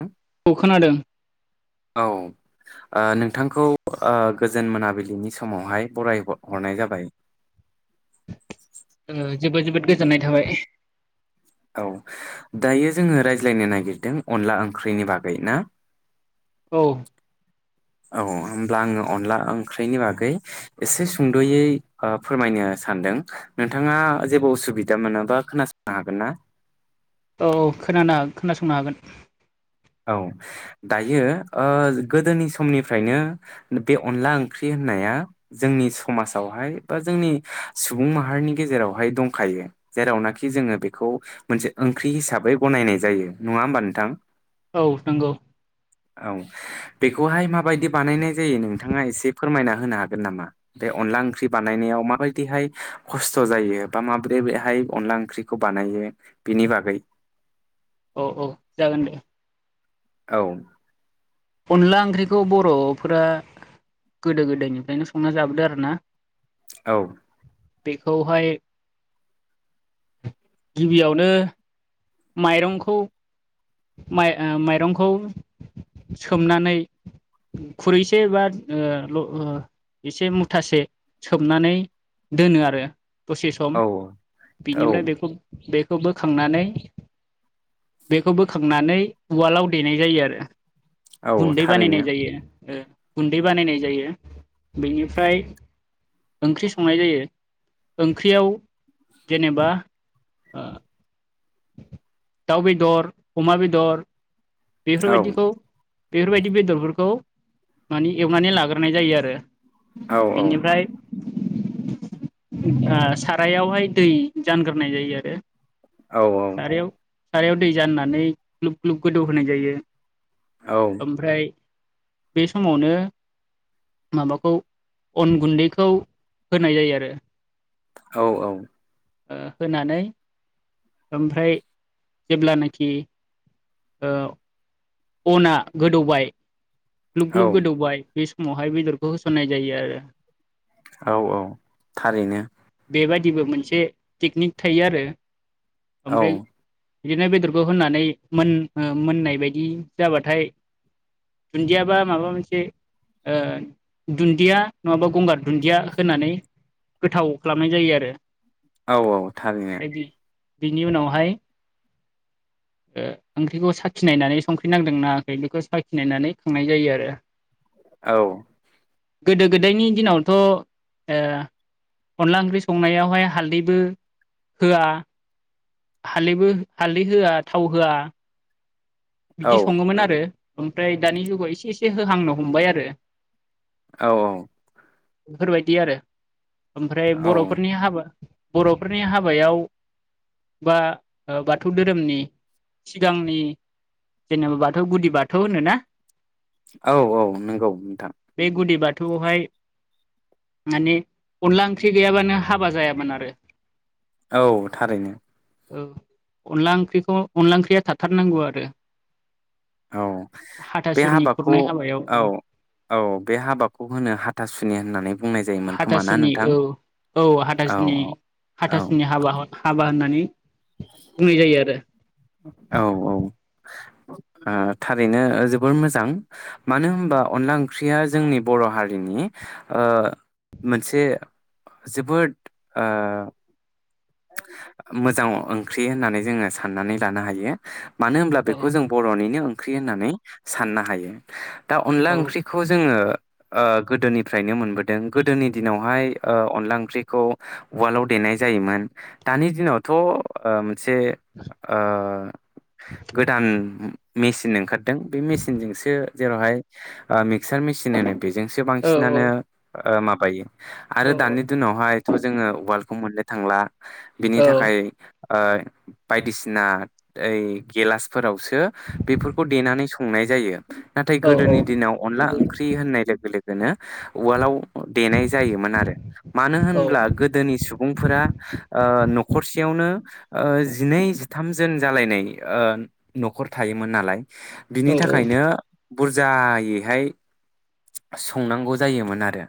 औ खौ खोनादों। ओ नोंथांखौ ओ गोजोन मोनाबिलिनि समावहाय बराय ह-हरनाय जाबाय। जोबोद जोबोद गोजोननाय थाबाय। औ दायो जोङो रायज्लायनो नागिरदों अनला ओंख्रिनि बागै ना? औ। औ होमब्ला आङो अनला ओंख्रिनि बागै एसे सुंदयै ओ फोरमायनो सानदों नोंथाङा जेबो असुबिदा मोनोबा खोनासंनो हागोन ना? औ औ खोनानो खोनासंनो हागोन। औ दायो ओ गोदोनि समनिफ्रायनो बे अनला ओंख्रि होननाया जोंनि समाजावहाय बा जोंनि सुबुं माहारिनि गेजेरावहाय दंखायो जेरावनाखि जोङो बेखौ मोनसे ओंख्रि हिसाबै गनायनाय जायो नङा होमबा नोंथां? औ नंगौ। औ बेखौहाय माबायदि बानायनाय जायो नोंथाङा एसे फोरमायना होनो हागोन नामा बे अनला ओंख्रि बानायनायाव माबायदिहाय खस्थ जायो बा माब्रैहाय अनला ओंख्रिखौ बानायो बेनि बागै। औ औ जागोन दे। औ। अनला ओंख्रिखौ बर'फोरा गोदो गोदायनिफ्रायनो संना जाबोदो आरो ना। औ बेखौहाय गिबियावनो माइरंखौ माइ-माइरंखौ सोमनानै खुरैसे बा ओ ल एसे मुथासे सोमनानै दोनो आरो। दसे सम औ औ बिनिफ्राय बेखौ बे खौ बोखांनानै बे बेखौ बोखांनानै उवालाव देनाय जायो आरो। औ गुन्दै थारैनो बानायनाय जायो। ओ गुन्दै बानायनाय जायो बेनिफ्राय ओंख्रि संनाय जायो ओंख्रियाव जेनेबा ओ दाउ बेदर अमा बेदर औ बेफोरबायदिखौ बेफोरबायदि बेदरफोरखौ माने एवनानै लाग्रोनाय जायो आरो। औ औ बिनिफ्राय आह सारायावहाय दै जानग्रोनाय जायो आरो। औ औ सारायाव सारायाव दै जाननानै ग्लुब ग्लुब गोदौ होनाय जायो। औ ओमफ्राय बे समावनो माबाखौ अन गुन्दैखौ होनाय जायो आरो। औ औ होनानै ओमफ्राय जेब्लानोखि ओ अना गोदौबाय ग्लुुब औ ग्लुुब गोदौबाय बे समावहाय बेदरखौ होसननाय जायो आरो। औ औ थारैनो। जेबो मोनसे टेकनिक थायो आरो। औ ओमफ्राय बिदिनो बेदरखौ होनानै मोन-मोननाय बायदि जाबाथाय दुन्दियाबा माबा मोनसे ओ दुन्दिया नङाबा गंगार दुन्दिया होनानै गोथाव खालामनाय जायो आरो। औ औ थारैनो। ओमफ्राय बि बिनि उनावहाय ओ ओंख्रिखौ साखिनायनानै संख्रि नांदों नाङाखै बेखौ साखिनायनानै खांनाय जायो आरो। औ गोदो गोदायनि दिनावथ' ओ अनला ओंख्रि संनायावहाय हालदैबो होआ हालदैबो हालदै होआ थाव होआ औ बिदि सङोमोन आरो। ओमफ्राय दानि जुगाव एसे एसे होहांनो हमबाय आरो। औ औ बेफोरबायदि आरो। ओमफ्राय बर'फोरनि हाबा। बर'फोरनि हाबायाव बा बाथौ धोरोमनि सिगांनि जेनेबा बाथौ गुदि बाथौ होनोना? औ औ नंगौ नोंथां। बे गुदि बाथौआवहाय माने अनला ओंख्रि गैयाबानो हाबा जायामोन आरो। औ थारैनो। औ अनला ओंख्रिखौ अनला ओंख्रिया थाथारनांगौ आरो। औ बे हाथासुनि हाबाखौ खुरनाय हाबायाव औ औ बे हाबाखौ होनो हाथासुनि होननानै बुंनाय जायोमोन खोमा ना हाथासुनि नोंथां औ औ हाथासुनि औ हाथासुनि हाबाहर हाबा होनना [unintelligible] बुंङि जायो आरो। औ औ ओ थारैनो जोबोर मोजां मानो होमबा अनला ओंख्रिया जोंनि बर' हारिनि ओ मोनसे जोबोद ओ मोजां ओंख्रि होननानै जोङो साननानै लानो हायो। मानो होमब्ला बेखौ आरो जों बर'निनो ख्रि होननानै साननो हायो। दा अनला औ ओंख्रिखौ जोङो ओ गोदोनिफ्रायनो मोनबोदों गोदोनि दिनावहाय ओ अनला ओंख्रिखौ उवालाव देनाय जायोमोन। दानि दिनावथ ओम से ओ गोदान मेसिन ओंखार दों बि मिसिनजोंसो जेरावहाय ओ मिक्सार मिसिन होनो बेजोंसो औ बांसिनानो ओ ओ माबायो। आरो औ दानि दुनावहायथ जोङो उवालखौ मोननो थांला। बिनि औ थाखाय। ओ बायदिसिना ओइ गिलासफोरावसो दो बेफोरखौ देनानै संनाय जायो नाथाय औ गोदोनि दिनाव अनला ओंख्रि होननाय लोगो लोगोनो उवालाव देनाय जायोमोन आरो मानो होनब्ला गोदोनि सुबुंफोरा ओ नख'रसेयावनो ओ जिनै जिथामजोन जालायनाय ओ नख'र थायोमोन नालाय बिनि थाखायनो औ बुरजायैहाय संनांगौ जायोमोन आरो।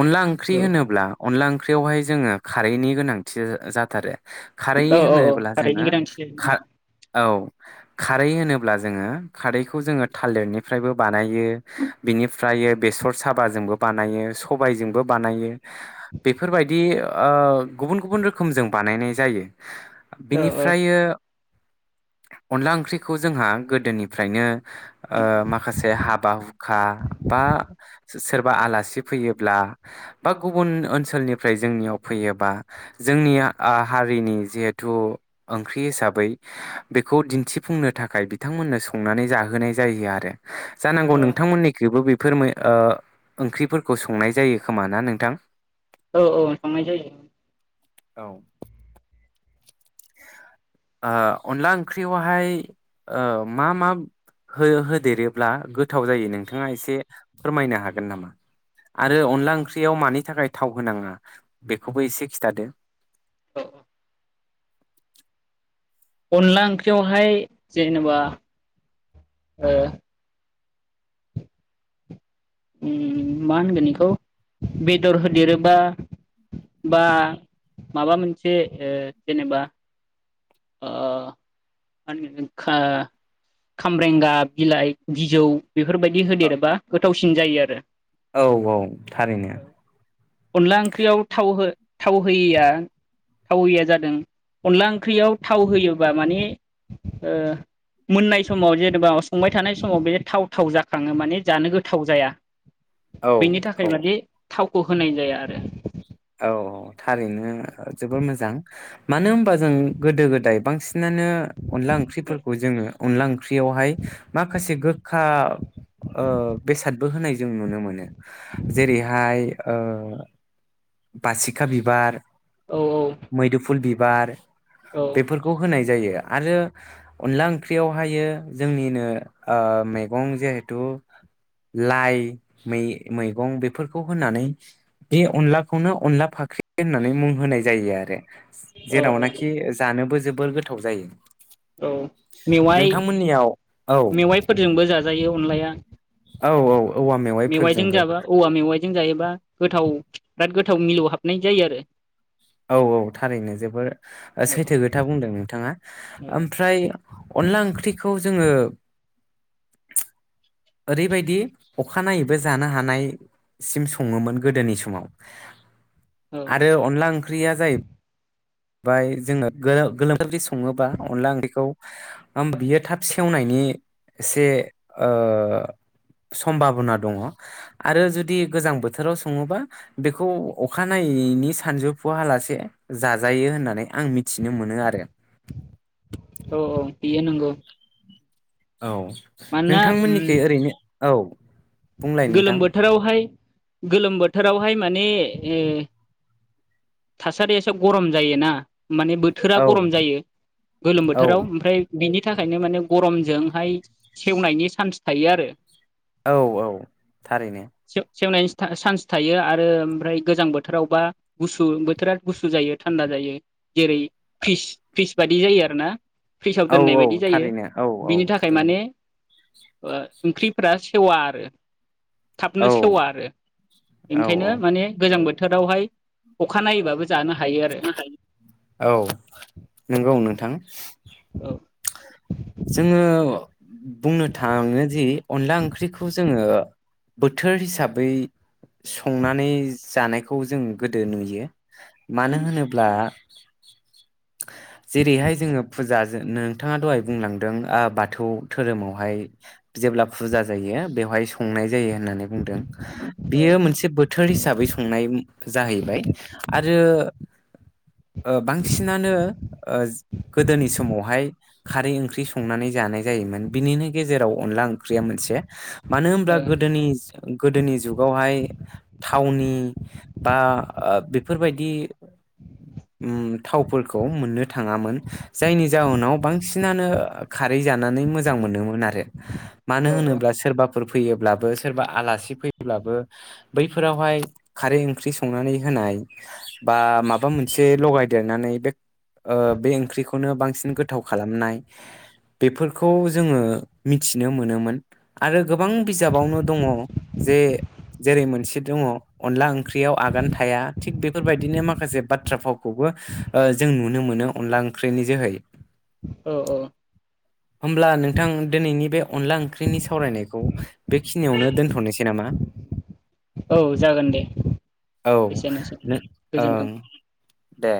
अनला ओंख्रि होनोब्ला अनला ओं ख्रियावहाय जोङो खारैनि गोनांथि जाथारो। खारै ओ ओ ओ होनोब्ला जोङो खारैनि गोनांथि जायो खा उम। औ खारै होनोब्ला जोङो खारैखौ जोङो थालिरनिफ्रायबो बानायो बिनिफ्रायो बेसर साबाजोंबो बानायो सबायजोंबो बानायो बेफोरबायदि ओ गुबुन गुबुन रो खोमजों बानायनाय जायो। औ बिनिफ्रायो अनला ओंख्रिखौ जोंहा गोदोनिफ्रायनो ओ माखासे हाबा हुखा बा सोरबा आलासि फैयोब्ला बा गुबुन ओनसोलनिफ्राय जोंनियाव फैयोबा जोंनिया ओ हारिनि जेहेथु ओंख्रि हिसाबै बेखौ दिन्थिफुंनो थाखाय बिथांमोननो संनानै जाहोनाय जायो आरो। जानांगौ औ नोंथांमोननिखैबो बे [unintelligible] फोर ओंख्रिफोरखौ संनाय जायो खोमा ना नोंथां। औ औ संनाय जायो ओं। औ। ओ अनला ओंख्रियावहाय ओ मा मा हो होदेरोब्ला गोथाव जायो नोंथाङा एसे फोरमायनो हागोन नामा आरो अनला ओंख्रियाव मानि थाखाय थाव होनाङा बेखौबो एसे खिन्थादो। औ औ। अनला ओंख्रियावहाय जेनेबा ओ। उम मा होनगोन बेखौ बेदर होदेरोबा बा माबा मोनसे ओ जेनेबा ओ मा होनगोन खामब्रेंगा बिलाइ बिजौ बेफोरबायदि होदेरोबा गोथाव सिन जायो आरो। औ औ थारैनो अनला ओंख्रियाव थाव हो थाव होयैया थाव होयैआ जादों अनला ओंख्रियाव थाव होयोबा माने ओ मोननाय समाव जेनेबा संबाय थानाय समाव बे थाव थाव जाखाङो माने जानो गोथाव जाया। औ बेनि थाखाय औ माने थाव खौ होनाय जाया आरो। अ औ थारैनो जोबोर मोजां मानो होनबा जों गोदो गोदाय बांसिन बिसिनानो अनला ओंख्रिफोरखौ जोङो अनला ओंख्रियावहाय माखासे गोखा बेसादबो होनाय जों नुनो मोनो। जेरैहाय [inaudible] बासिखा बिबार औ मैदुफुल बि बार औ बेफोरखौ होनाय जायो आरो अनला ओंख्रियावहाय जोंनिनो मैगं जिहेथु लाइ मैगं बेफोरखौ होनानै बे अनला बेखौनो अनला फाख्रि होननानै मुं होनाय जायो आरो औ जेरावनाखि जानोबो जोब जोबोर गोथाव जायो औ मेवाइ नोंथांमोननियाव औ मेवाइफोरजोंबो जा जायो अनलाया औ औ औवा मेवाइजों मेवाइफोरजोंबो जाबा औवा मेवाइजों जायोबा गोथाव बिराद गोथाव मिलौ हाबनाय जायो आरो औ औ थारैनो जोबोर औ सैथो खोथा बुंदों नोंथाङा ओमफ्राय अनला ओंख्रिखौ जोङो ओरैबायदि अखानायैबो जानो हानायसिम सङोमोन गोदोनि समाव औ आरो अनला ओंख्रिया जाहैबाय ओमफ्राय जोङो गोलोम बोथोर जुदि सङोबा अनला ओंख्रिखौ बियो थाब सेवनायनि एसे समभाबना दङ आरो जुदि गोजां बोथोराव सङोबा बेखौ अखानायैनायनि सानजौफुालासे जाजोब नाजायो होननानै आं मिथिनो मोनो आरो औ औ बेयो नंगौ औ मानोना नोंथांमोननिखि उम ओरैनो औ बुंलाय नोंथां गोलोम बोथोरावहाय गोलोम बोथोरावहाय माने ए थासारियासो गरम जायोना माने बोथोरा औ गरम जायो गोलोम औ बोथोराव ओमफ्राय बिनि बिनि थाखायनो माने गरमजोंहाय सेवनायनि चान्स थायो आरो औ औ थारैनो। सेवनायनि चान्स थायो आरो ओमफ्राय गोजां बोथोरावबा गुसु बोथोरा गुसु जायो थान्दा जायो जेरै फ्रिस फ्रिस बादि जायो आरो ना फ्रिजाव औ दोननाय औ बायदि जायो थारैनो औ औ बिनि थाखाय थारैनो माने ओंख्रि फोर सेवा आरो औ थाबनो सेवा आरो औ ओंखायनो माने गोजां बोथोर बोथोरावहाय अखानायोबा औ नंगौ नोंथां औ जोङो बुंनो थाङोदि अनला ओंख्रिखौ जोङो बोथोर हिसाबै संनानै जानायखौ जों गोदो नुयो। मानो होनोब्ला [inaudible] जेरैहाय जोङो फुजा नोंथाङा दहाय बुंलां बाथौ धोरोमावहाय जेब्ला फुजा बेवहाय़ संनाय जायो होननानै बुंदों। औ बियो मोनसे बोथोर हिसाबै संनाय जाहैबाय आरो ओ बांसिनानो ओ गोदोनि समावहाय खारै ओंख्रि सं संनानै जानाय जायोमोन। बिनिनो गेजेराव अनला ओंख्रिया मोनसे मानो होनब्ला गोदोनि गोदोनि जुगावहाय थावनि बा बेफोरबायदि उम थावफोरखौ मोननो थाङामोन जायनि जाहोनाव बांसिनानो खारै जानानै मोजां मोनोमोन आरो। मानो औ होनोब्ला सोरबा फोरफोर फैयोब्लाबो सोरबा आलासि फैयोब्लाबो बैफोरावहाय खारै ओंख्रि संनानै होनाय बा माबा मोनसे लगायदेरनानै बे ओ बे ओंख्रिखौनो बांसिन गोथाव खालामनाय बेफोरखौ जोंङो मिथिनो मोनोमोन आरो गोबां बिजाबावनो दंङ जे जेरै मोनसे दंङ अनला ओंख्रियाव आगान थाया थिग बेफोरबायदिनो माखासे बाथ्रा फावखौबो जों नुनो मोनो अनला ओंख्रिनि जोहै ओ ओ होमब्ला नोंथां दिनैनि बे अनला ओंख्रिनि सावरायनायखौ बेखिनियावनो दोन्थ'नोसै नामा? औ जागोन दे औ एसेनोसै उम नों ओं गोजोनथों। दे